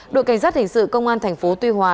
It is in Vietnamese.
đội cảnh sát hình sự công an thành phố tuy hòa